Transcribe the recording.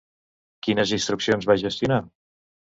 Quines institucions va gestionar?